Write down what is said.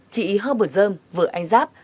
chị hơ bờ dơm vợ anh giáp